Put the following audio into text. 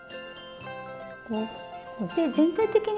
全体的に。